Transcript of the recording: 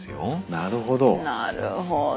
なるほど。